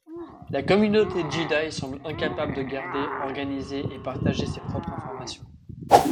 La communauté Jedi semble incapable de garder, organiser et partager ses propres informations.